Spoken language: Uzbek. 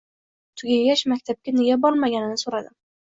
Tugagach, maktabga nega bormaganini so'radim.